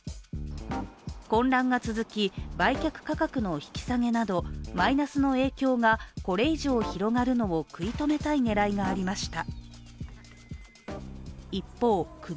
混乱が続き、売却価格の引き下げなどマイナスの影響がこれ以上広がるのを食い止めたい狙いがありました。